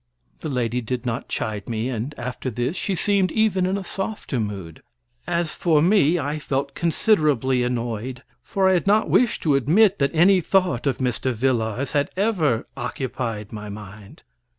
The lady did not chide me, and after this she seemed even in a softer mood. As for me, I felt considerably annoyed, for I had not wished to admit that any thought of Mr. Vilars had ever occupied my mind.